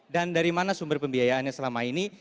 dan dari mana sumber pembiayaannya selama ini